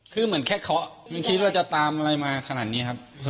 คือเหมือนแค่เค้ามันคิดว่าจะตามอะไรมาขนาดนี้